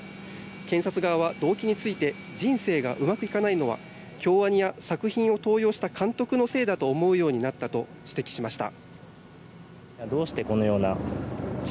検察側は動機について人生がうまくいかないのは京アニや作品を盗用した監督のせいだと思うようになったと指摘しました。